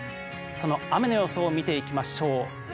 その雨の予想を見ていきましょう。